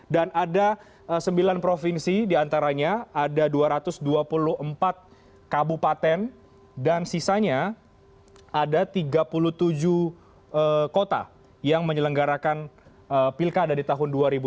dan ada sembilan provinsi diantaranya ada dua ratus dua puluh empat kabupaten dan sisanya ada tiga puluh tujuh kota yang menyelenggarakan pilkada di tahun dua ribu dua puluh